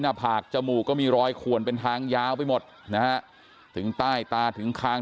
ผากจมูกก็มีรอยขวนเป็นทางยาวไปหมดนะฮะถึงใต้ตาถึงคาง